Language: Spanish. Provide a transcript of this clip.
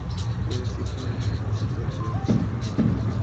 Fue discípulo del compositor Johannes Ockeghem.